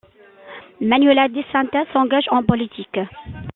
Manuela Di Centa s'engage en politique.